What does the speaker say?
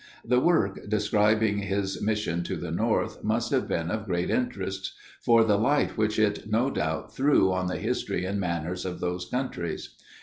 The work, describing his mission to the north, must have been of great interest for the light which it no doubt threw on the history and manners of those countries.